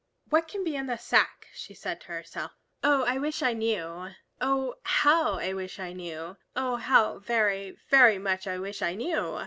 "What can be in the sack?" she said to herself. "Oh, I wish I knew! Oh, how I wish I knew! Oh, how very, very much I wish I knew!"